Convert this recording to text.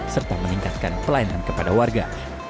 serta meningkatkan pelayanan kepada warga